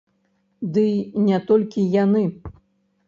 Дый не толькі яны.